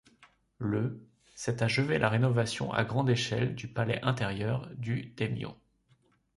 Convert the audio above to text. Le s'est achevée la rénovation à grande échelle du palais intérieur du daimyo.